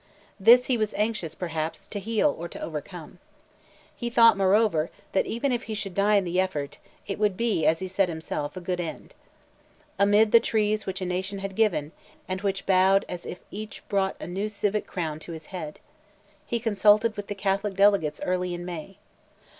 This he was anxious, perhaps, to heal or to overcome. He thought, moreover, that even if he should die in the effort, it would be, as he said himself, "a good end." Amid— "The trees which a nation had given, and which bowed As if each brought a new civic crown to his head," he consulted with the Catholic delegates early in May.